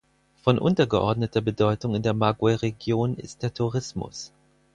Von untergeordneter Bedeutung in der Magwe-Region ist der Tourismus.